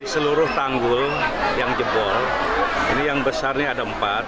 seluruh tanggul yang jebol ini yang besarnya ada empat